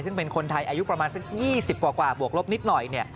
ซึ่งเป็นคนไทยอายุประมาณสัก๒๐กว่าบวกลบนิดหน่อย